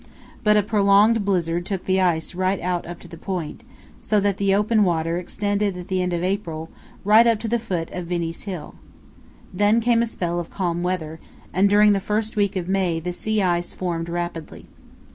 But a prolonged blizzard took the ice out right up to the Point, so that the open water extended at the end of April right up to the foot of Vinie's Hill. Then came a spell of calm weather, and during the first week of May the sea ice formed rapidly.